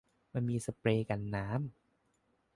มันมีสเปรย์กันน้ำ